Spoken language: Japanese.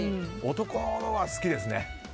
男は好きですね。